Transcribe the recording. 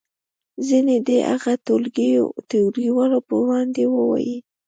ځینې دې هغه ټولګیوالو په وړاندې ووایي.